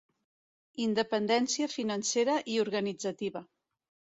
Independència financera i organitzativa.